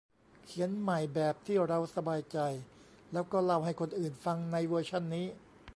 เขียนใหม่แบบที่เราสบายใจ แล้วก็เล่าให้คนอื่นฟังในเวอร์ชันนี้